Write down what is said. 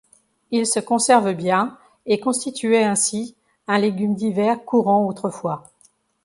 Ils se conservent bien et constituaient ainsi un légume d'hiver courant autrefois.